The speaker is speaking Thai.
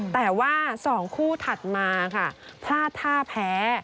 แต่ว่า๒คู่ถัดมาค่ะพลาดท่าแพ้